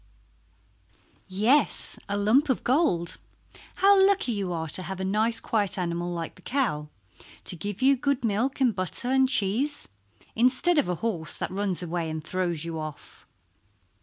"Yes, a lump of gold. How lucky you are to have a nice quiet animal like the cow to give you good milk and butter and cheese, instead of a horse that runs away and throws you off."